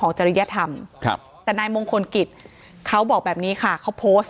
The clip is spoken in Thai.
จริยธรรมครับแต่นายมงคลกิจเขาบอกแบบนี้ค่ะเขาโพสต์